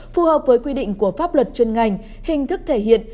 phù hợp với quy định của pháp luật chuyên ngành hình thức thể hiện